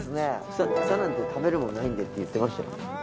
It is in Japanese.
草なんて食べるものないんでって言ってましたよ。